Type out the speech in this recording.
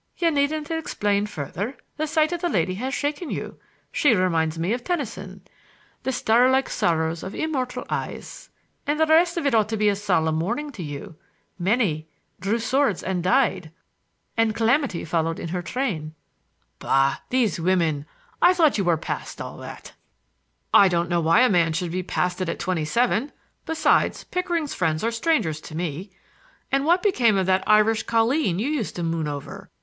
"You needn't explain further. The sight of the lady has shaken you. She reminds me of Tennyson: " 'The star like sorrows of immortal eyes—' and the rest of it ought to be a solemn warning to you, —many 'drew swords and died,' and calamity followed in her train. Bah! these women! I thought you were past all that!" [Illustration: She turned carelessly toward me, and our eyes met for an instant.] "I don't know why a man should be past it at twenty seven! Besides, Pickering's friends are strangers to me. But what became of that Irish colleen you used to moon over?